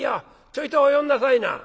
ちょいとお寄んなさいな」。